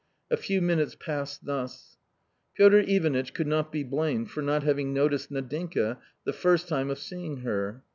A.few minutes passed thus. Piotr Ivanitch could not be blamed for not having noticed Nadinka the first time of seeing her.